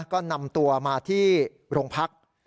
ก็นำตัวมาที่โรงพัก